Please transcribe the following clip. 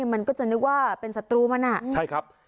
มันก็จะนึกว่าเป็นศัตรูมันอ่ะใช่ครับ